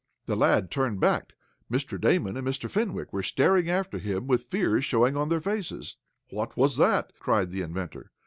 The lad turned back. Mr. Damon and Mr. Fenwick were staring after him with fear showing on their faces. "What was that?" cried the inventor.